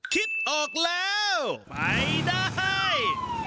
คิดออกแล้วไปได้